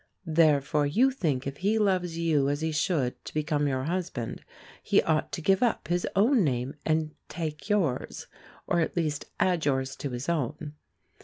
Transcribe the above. Therefore you think if he loves you as he should to become your husband, he ought to give up his own name and take yours, or at least add yours to his own.